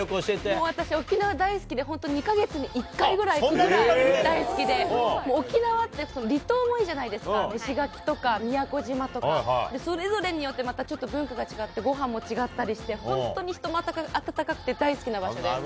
もう私、沖縄大好きで、本当、２か月に１回ぐらい行くぐらい、大好きで、沖縄って、離島もいいじゃないですか、石垣とか宮古島とか、それぞれによってまたちょっと文化が違って、ごはんも違ったりして、本当に人も温かくて大好きな場所です。